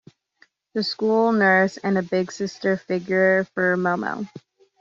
The school nurse and a big sister figure for Momo.